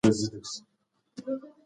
ما د خپل ژوند ستونزې په صبر تېرې کړې.